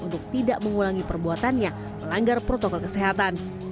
untuk tidak mengulangi perbuatannya melanggar protokol kesehatan